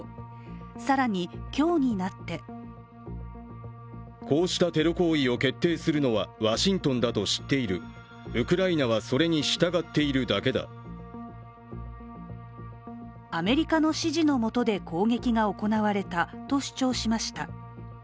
更に、今日になってアメリカの指示のもとで攻撃が行われたと主張しました。